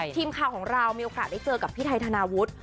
ทีมข่าวของเรามีโอกาสได้เจอกับพี่ไทยธนาวุฒิ